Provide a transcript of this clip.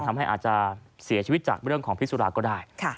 อาจจะเสียชีวิตจากเรื่องของพิสุราก็ได้